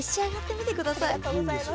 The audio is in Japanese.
ありがとうございます。